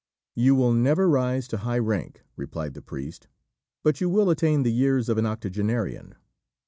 "You will never rise to high rank," replied the priest, "but you will attain the years of an octogenarian.